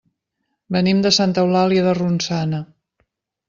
Venim de Santa Eulàlia de Ronçana.